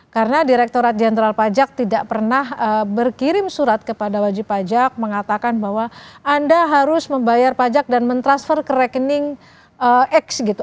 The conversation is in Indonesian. karena direkturat general pajak tidak pernah berkirim surat kepada wajib pajak mengatakan bahwa anda harus membayar pajak dan mentransfer ke rekening x gitu